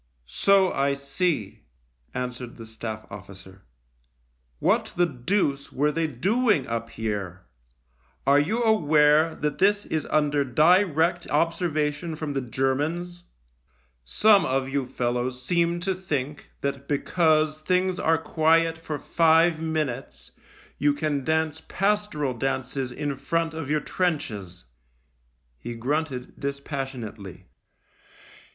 "So I see," answered the Staff officer. " What the deuce were they doing up here ? Are you aware that this is under direct observation from the Germans ? Some of you fellows seem to think that because things are quiet for five minutes you can dance pastoral dances in front of your trenches." He grunted dispassionately.